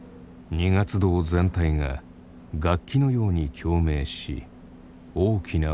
二月堂全体が楽器のように共鳴し大きな音が響く。